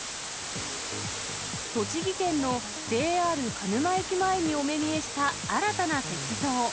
栃木県のＪＲ鹿沼駅前にお目見えした新たな石像。